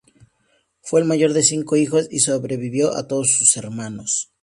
Fue el mayor de cinco hijos y sobrevivió a todos sus hermanos.